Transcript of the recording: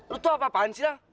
lo tuh apaan sih